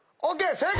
正解！